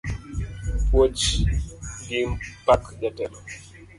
Puoch gi pak jatelo